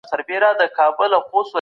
شرم د انسان د پرمختګ لوی خنډ دی.